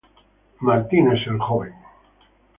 Freeman, Jr.